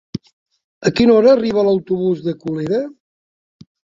A quina hora arriba l'autobús de Colera?